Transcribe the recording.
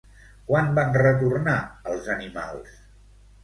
Quan van retornar els animals?